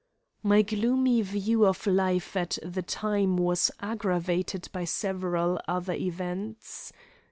My gloomy view of life at the time was aggravated by several other events.